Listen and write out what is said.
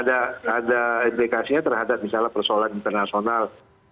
ada implikasinya terhadap misalnya persoalan internasional